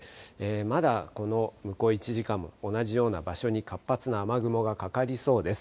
まだ、この向こう１時間同じような場所に活発な雨雲がかかりそうです。